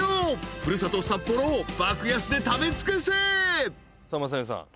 ［古里札幌を爆安で食べ尽くせ］